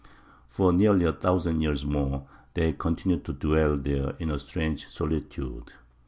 For nearly a thousand years more they continued to dwell there in a strange solitude.